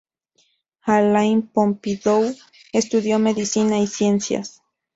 Alain Pompidou estudió medicina y ciencias.